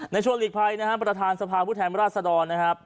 ชวนหลีกภัยนะครับประธานสภาผู้แทนราชดรนะครับ